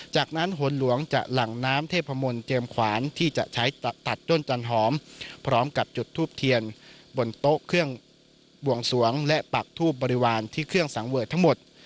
จากนั้นหนหลวงจะหลั่งน้ำเทพมนต์เจมส์ขวานที่จะใช้ตัดต้นจันหอมพร้อมกับจุดทูบเทียนบนโต๊ะเครื่องบวงสวงและปักทูบบริวารที่เครื่องสังเวิร์ดทั้งหมด